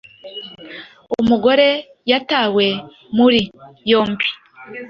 Umugore yatawe muri yombi